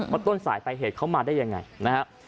ต้นสายไปเหตุเขามาได้ยังไงนะครับ